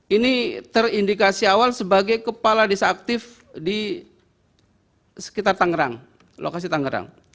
ini terindikasi awal sebagai kepala desa aktif di sekitar tangerang lokasi tangerang